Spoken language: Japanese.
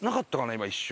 今一瞬。